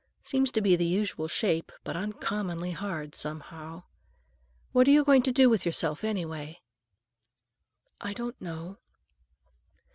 Seems to be the usual shape, but uncommonly hard, some how. What are you going to do with yourself, anyway?" "I don't know."